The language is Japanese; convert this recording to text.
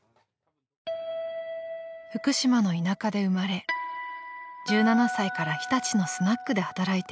［福島の田舎で生まれ１７歳から日立のスナックで働いていたママ］